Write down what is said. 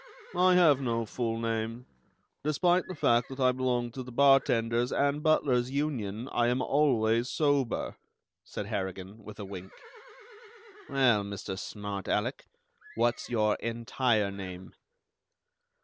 "I have no full name. Despite the fact that I belong to the Bartenders' and Butlers' Union, I am always sober," said Harrigan, with a wink. "Well, Mr. Smart Alec, what's your entire name?"